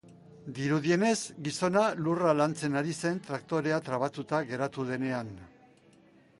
Dirudienez, gizona lurra lantzen ari zen traktorea trabatuta geratu denean.